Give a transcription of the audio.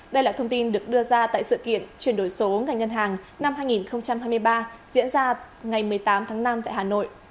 đây là thông tin được đưa ra tại sự kiện chuyển đổi số ngành ngân hàng năm hai nghìn hai mươi ba diễn ra ngày một mươi tám tháng năm tại hà nội